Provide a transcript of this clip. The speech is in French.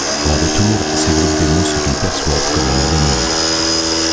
En retour, ces groupes dénoncent ce qu'ils perçoivent comme en Indonésie.